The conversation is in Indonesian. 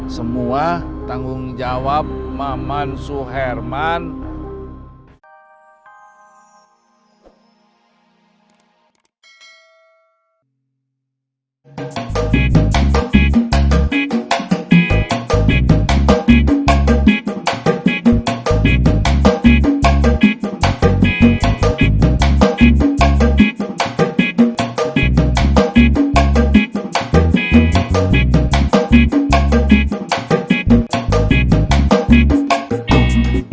semua tanggung jawab maman suherman